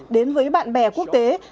đến với bạn bè quốc tế